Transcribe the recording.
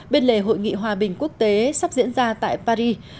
bên lề hội nghị hòa bình quốc tế sắp diễn ra tại paris